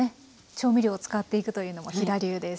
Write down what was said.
調味料を使っていくというのも飛田流です。